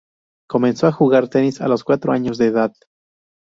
Comenzó a jugar tenis a los cuatro años de edad.